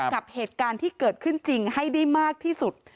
กับเหตุการณ์ที่เกิดขึ้นจริงให้ได้มากที่สุด